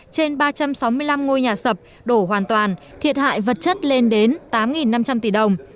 trên ba trăm sáu mươi năm ngôi nhà sập đổ hoàn toàn thiệt hại vật chất lên đến tám năm trăm linh tỷ đồng